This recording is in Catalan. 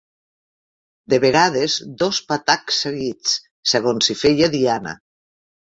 De vegades dos patacs seguits, segons si feia diana.